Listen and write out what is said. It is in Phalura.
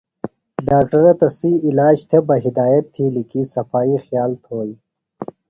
ڈاکٹرہ تسی عِلاج تھےۡ بہ ہدایت تِھیلیۡ کی صفائی خیال تھوئی۔